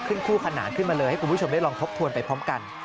คู่ขนานขึ้นมาเลยให้คุณผู้ชมได้ลองทบทวนไปพร้อมกัน